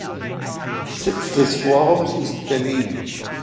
Sitz des Forums ist Berlin.